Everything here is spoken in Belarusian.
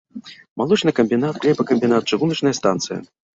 Малочны камбінат, хлебакамбінат, чыгуначная станцыя.